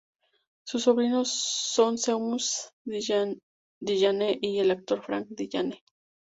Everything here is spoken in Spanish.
Sus sobrinos son Seamus Dillane y el actor Frank Dillane.